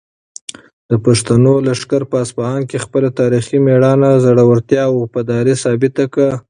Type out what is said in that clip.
د پښتنو لښکر په اصفهان کې خپله تاریخي مېړانه، زړورتیا او وفاداري ثابته کړه.